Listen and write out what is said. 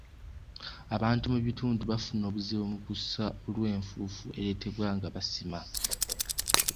Abantu mu kitundu bafuna obuzibu mu kussa olw'enfuufu ereetebwa nga basima.